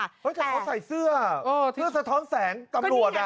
แต่เขาใส่เสื้อเสื้อสะท้อนแสงตำรวจ